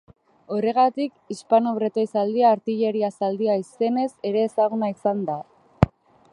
Horregatik Hispano-Bretoi zaldia artilleria zaldia izenez ere ezaguna izan da.